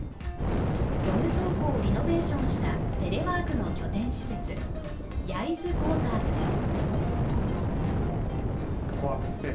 漁具倉庫をリノベーションしたテレワークの拠点施設、焼津ＰＯＲＴＥＲＳです。